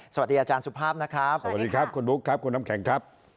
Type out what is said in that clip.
สวัสดีอาจารย์สุภาพนะครับสวัสดีครับคุณบุ๊คครับคุณน้ำแข็งครับ